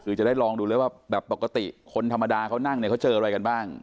คือจะได้ลองดูเลยว่าแบบปกติคนธรรมดาเขานั่งเนี่ยเขาเจออะไรกันบ้าง